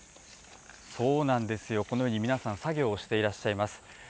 そうなんですよ、このように皆さん、作業をしていらっしゃいます。